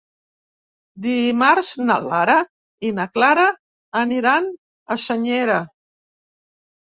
Dimarts na Lara i na Clara aniran a Senyera.